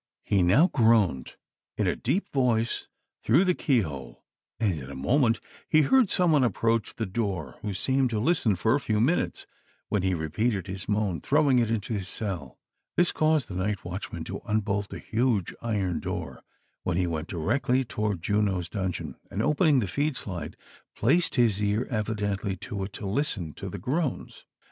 He now groaned in a deep voice through the key hole, and in a moment he heard some one approach the door, who seemed to listen for a few minutes, when he repeated his moan, throwing it into his cell ; this caused the night watchman to unbolt the huge iron door, when he Avent directly toward Juno's dungeon, and opening the feed slide, placed his ear evidently to it to listen to the groans.